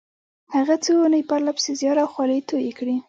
هغه څو اونۍ پرله پسې زيار او خولې تويې کړې.